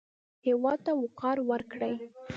هېواد ته وقار ورکړئ